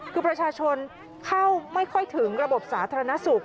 คือประชาชนเข้าไม่ค่อยถึงระบบสาธารณสุข